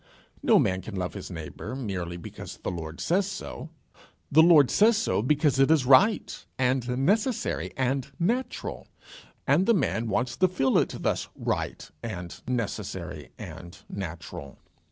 No man can love his neighbour merely because the Lord says so. The Lord says so because it is right and necessary and natural, and the man wants to feel it thus right and necessary and natural.